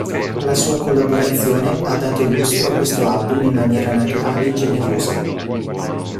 La sua collaborazione ha dato lustro a questo album in maniera naturale e generosa".